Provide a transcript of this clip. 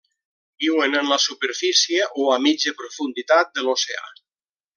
Viuen en la superfície o a mitja profunditat de l'oceà.